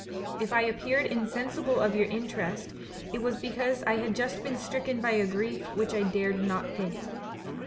If I appeared in sensible of your interest, it was because I had just been stricken by a grief which I dared not hint.